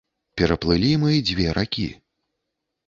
Пераплылі мы дзве ракі.